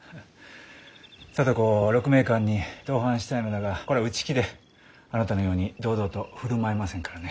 聡子を鹿鳴館に同伴したいのだがこれは内気であなたのように堂々と振る舞えませんからね。